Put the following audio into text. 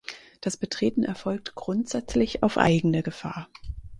Das Betreten erfolgt grundsätzlich auf eigene Gefahr.